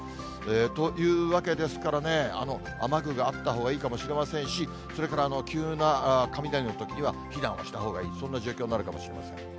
というわけですからね、雨具があったほうがいいかもしれませんし、それから急な雷のときには避難をしたほうがいい、そんな状況になるかもしれません。